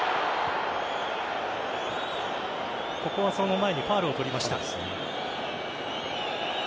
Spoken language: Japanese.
ここはその前にファウルを取りました。